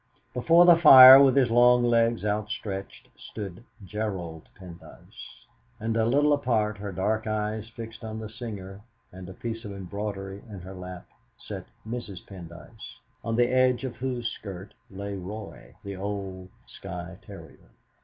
Before the fire, with his long legs outstretched, stood Gerald Pendyce. And a little apart, her dark eyes fixed on the singer, and a piece of embroidery in her lap, sat Mrs. Pendyce, on the edge of whose skirt lay Roy, the old Skye terrier.